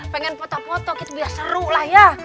pengen foto foto gitu biar seru lah ya